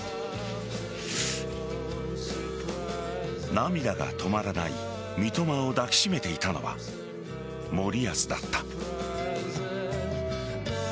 涙が止まらない三笘を抱き締めていたのは森保だった。